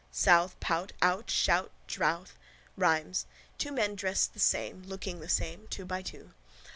South, pout, out, shout, drouth. Rhymes: two men dressed the same, looking the same, two by two.